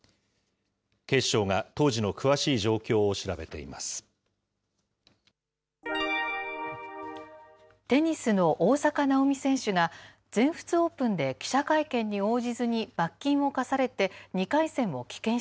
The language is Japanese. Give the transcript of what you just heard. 警視庁が当時の詳しい状況を調べテニスの大坂なおみ選手が、全仏オープンで記者会見に応じずに罰金を課されて２回戦を棄権し